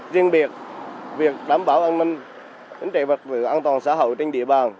riêng biệt việc đảm bảo an ninh tính trị vật vụ an toàn xã hội trên địa bàn